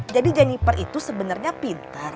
jadi jennifer itu sebenernya pinter